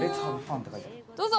どうぞ。